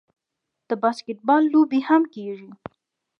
د باسکیټبال لوبې هم کیږي.